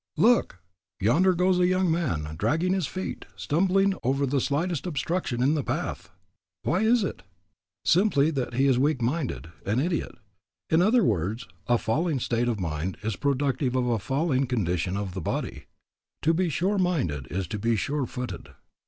Look! yonder goes a young man, dragging his feet, stumbling over the slightest obstruction in the path. Why is it? Simply that he is weak minded, an idiot. In other words, a falling state of mind is productive of a falling condition of the body. To be sure minded is to be sure footed.